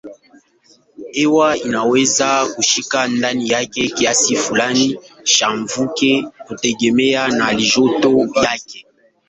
Hewa inaweza kushika ndani yake kiasi fulani cha mvuke kutegemeana na halijoto yake.